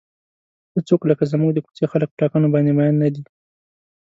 هیڅوک لکه زموږ د کوڅې خلک په ټاکنو باندې مین نه دي.